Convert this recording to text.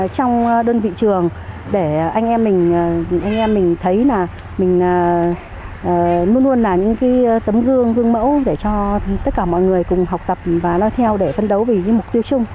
trong đơn vị trường để anh em mình thấy là mình luôn luôn là những tấm gương gương mẫu để cho tất cả mọi người cùng học tập và lo theo để phân đấu với mục tiêu chung